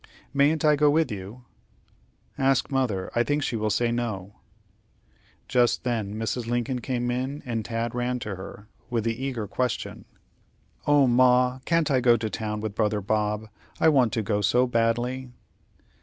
"Mayn't I go with you?" "Ask mother. I think that she will say no." Just then Mrs. Lincoln came in, and Tad ran to her, with the eager question: "Oh, Ma! can't I go to town with brother Bob? I want to go so badly."